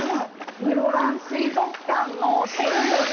室蘭水族館のシンボル